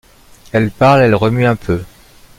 Elle parle! elle remue un peu !